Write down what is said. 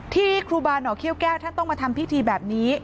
ครูบาหน่อเขี้ยแก้วท่านต้องมาทำพิธีแบบนี้